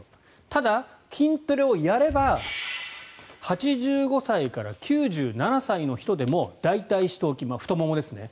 ただ、筋トレをやれば８５歳から９７歳の人でも大腿四頭筋、太ももですね。